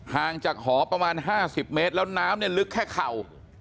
ห่างจากหอประมาณ๕๐เมตรแล้วน้ำเนี่ยลึกแค่เข่า